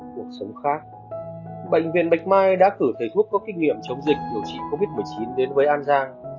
cuộc sống khác bệnh viện tạch mai đã cử thầy thuốc có kinh nghiệm chống dịch điều trị covid một mươi chín đến với an giang